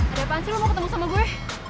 ada apaan sih lo mau ketemu sama gue